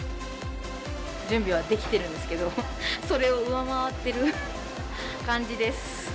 準備は出来てるんですけど、それを上回ってる感じです。